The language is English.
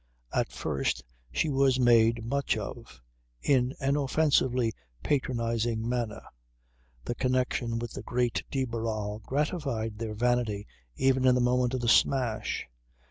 At first she was made much of, in an offensively patronising manner. The connection with the great de Barral gratified their vanity even in the moment of the smash.